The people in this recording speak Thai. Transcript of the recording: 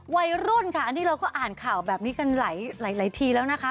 วัยรุ่นค่ะอันนี้เราก็อ่านข่าวแบบนี้กันหลายทีแล้วนะคะ